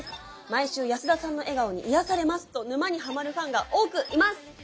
毎週安田さんの笑顔に癒やされますと沼にハマるファンが多くいます。